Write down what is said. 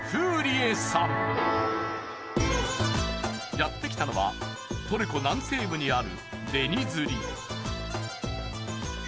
やってきたのはトルコ南西部にある。